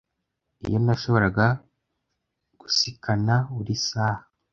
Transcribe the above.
Iyo nashoboraga gusikana buri saha